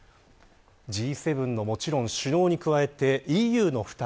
Ｇ７の首脳に加えてＥＵの２人。